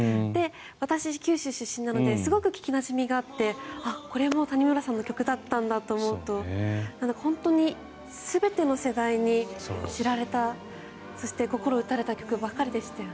私、九州出身なのですごく聴きなじみがあってこれも谷村さんの曲だったんだと思うと本当に全ての世代に向けられたそして心を打たれた曲ばかりでした。